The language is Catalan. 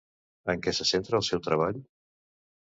En què se centra el seu treball?